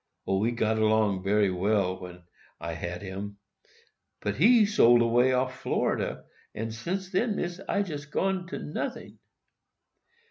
O, we got 'long bery well when I had him; but he sold way off Florida, and, sence then, Missis, I jest gone to noting.